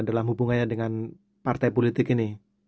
dalam hubungannya dengan partai politik ini